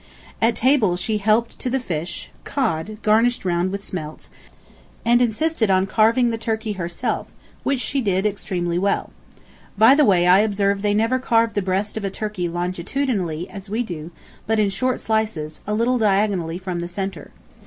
At table she helped to the fish (cod, garnished round with smelts) and insisted on carving the turkey herself, which she did extremely well. By the way, I observe they never carve the breast of a turkey longitudinally, as we do, but in short slices, a little diagonally from the centre.